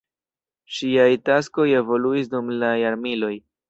Ŝiaj taskoj evoluis dum la jarmiloj.